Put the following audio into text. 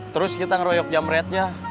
terus kita ngeroyok jamretnya